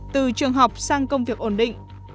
từ trường học sang công việc ổn định